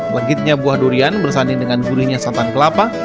legitnya buah durian bersanding dengan durinya satan kelapa